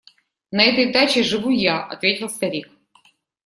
– На этой даче живу я, – ответил старик.